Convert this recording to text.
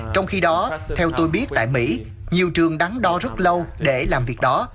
trong khi đó theo tôi biết tại mỹ nhiều trường đắng đo rất lâu để làm việc đó